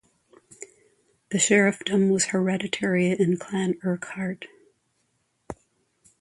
The sheriffdom was hereditary in Clan Urquhart.